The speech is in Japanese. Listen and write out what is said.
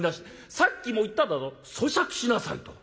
さっきも言っただろうそしゃくしなさいと。